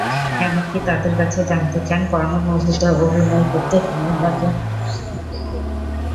এমনকি তাঁদের কাছে জানতে চান, পর্নো মুভিতে অভিনয় করতে কেমন লাগে।